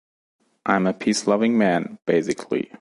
I'm a peace-loving man, basically.